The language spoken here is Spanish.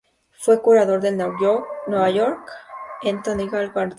Fue curador del New York Botanical Garden.